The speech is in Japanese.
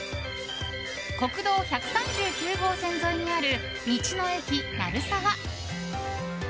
国道１３９号線沿いにある道の駅なるさわ。